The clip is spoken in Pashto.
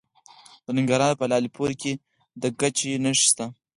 د ننګرهار په لعل پورې کې د ګچ نښې شته.